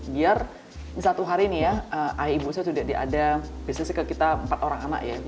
biar satu hari nih ya ayah ibu saya sudah diadam biasanya ke kita empat orang anak ya